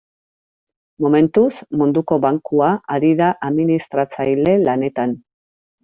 Momentuz, Munduko Bankua ari da administratzaile lanetan.